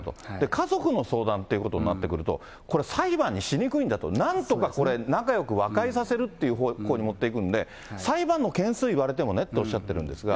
家族の相談ということになってくると、これ、裁判にしにくいんだと、なんとかこれ、仲よく和解させるという方向に持っていくので、裁判の件数言われてもねっておっしゃってるんですが。